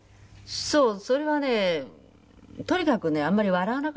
そうそれはねとにかくねあんまり笑わなかったんですよ